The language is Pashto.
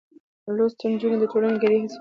لوستې نجونې د ټولنې ګډې هڅې رهبري کوي.